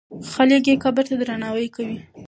خلک یې قبر ته درناوی کوي.